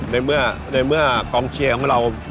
ในเมื่อกองเชียร์ของเรา